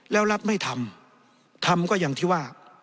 แล้วรัฐไม่ทำทำก็อย่างที่ว่า